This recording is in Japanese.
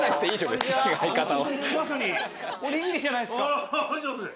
胸元おにぎりじゃないですか。